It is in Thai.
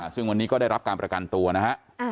ซึ่งวันนี้ก็ได้รับการประกันตัวนะฮะ